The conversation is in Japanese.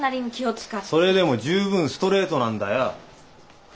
それでも十分ストレートなんだよ！